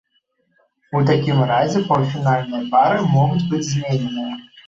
У такім разе паўфінальныя пары могуць быць змененыя.